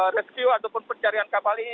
ditambah busur kapal ini